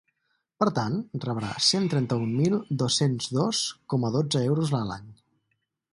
Per tant, rebrà cent trenta-un mil dos-cents dos coma dotze euros a l’any.